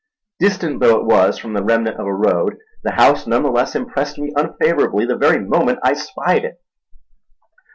Distant though it was from the remnant of a road, the house none the less impressed me unfavourably the very moment I espied it.